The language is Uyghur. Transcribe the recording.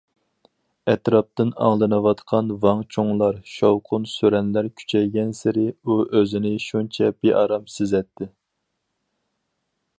ئەتراپتىن ئاڭلىنىۋاتقان ۋاڭ- چۇڭلار، شاۋقۇن- سۈرەنلەر كۈچەيگەنسېرى، ئۇ ئۆزىنى شۇنچە بىئارام سېزەتتى.